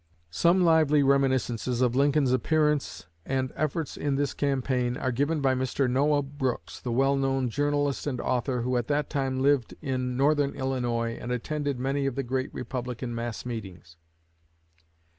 Some lively reminiscences of Lincoln's appearance and efforts in this campaign are given by Mr. Noah Brooks, the well known journalist and author, who at that time lived in Northern Illinois and attended many of the great Republican mass meetings.